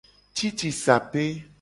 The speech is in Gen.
Cicisape.